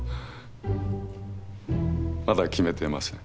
まだ決めてません。